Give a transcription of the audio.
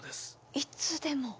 いつでも？